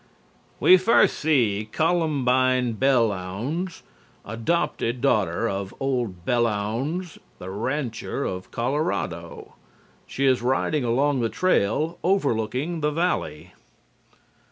We first see Columbine Belllounds, adopted daughter of old Belllounds the rancher of Colorado. She is riding along the trail overlooking the valley.